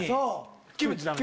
キムチダメ？